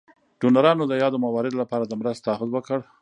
ډونرانو د یادو مواردو لپاره د مرستو تعهد وکړ.